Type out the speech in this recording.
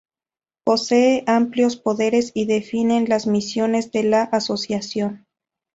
Poseen amplios poderes y definen las misiones de la asociación.